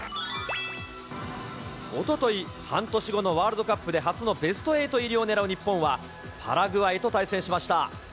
おととい、半年後のワールドカップで初のベスト８入りを狙う日本は、パラグアイと対戦しました。